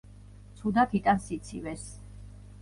ცუდად იტანს სიცივეს.